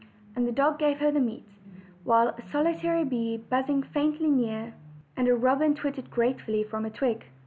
And the dog gave her the meat, while a solitary bee buzzed faintly near, and a robin twittered gratefully from a twig.